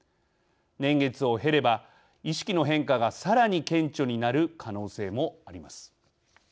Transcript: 年月を経れば意識の変化がさらに顕著になる可能性もあります。